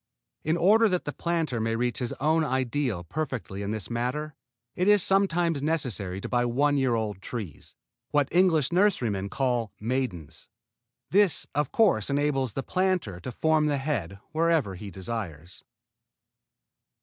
In order that the planter may reach his own ideal perfectly in this matter, it is sometimes necessary to buy one year old trees, what the English nurserymen call maidens. This, of course, enables the tree planter to form the head wherever he desires.